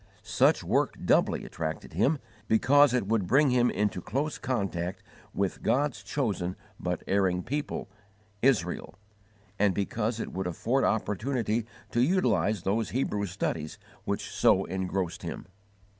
Such work doubly attracted him, because it would bring him into close contact with God's chosen but erring people, Israel; and because it would afford opportunity to utilize those Hebrew studies which so engrossed him.